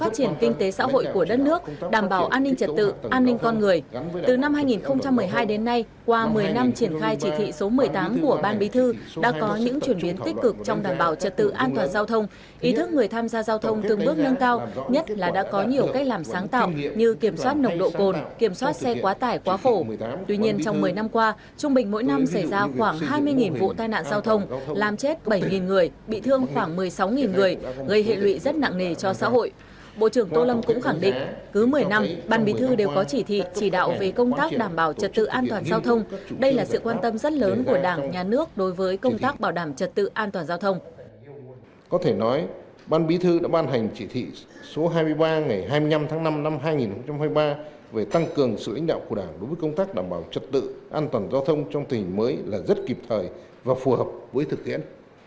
chỉ thị số hai mươi ba của ban bế thư đã ban hành chỉ thị số hai mươi ba ngày hai mươi năm tháng năm năm hai nghìn hai mươi ba về tăng cường sự lãnh đạo của đảng đối với công tác đảm bảo trật tự an toàn giao thông trong tình hình mới là rất kịp thời và phù hợp với thực hiện